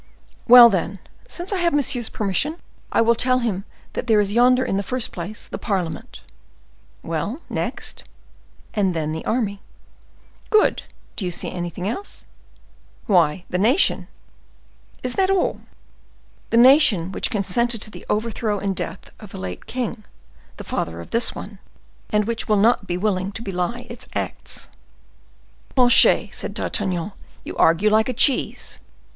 "Well, then, since I have monsieur's permission, I will tell him that there is yonder, in the first place, the parliament." "Well, next?" "And then the army." "Good! Do you see anything else?" "Why, then the nation." "Is that all?" "The nation which consented to the overthrow and death of the late king, the father of this one, and which will not be willing to belie its acts." "Planchet," said D'Artagnan, "you argue like a cheese!